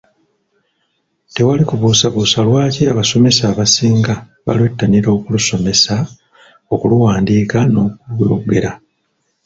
Tewali kubuusabuusa lwaki abasomesa abasinga balwettanira okulusomesa, okuluwandiika n'okulwogera.